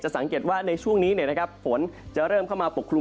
สังเกตว่าในช่วงนี้ฝนจะเริ่มเข้ามาปกคลุม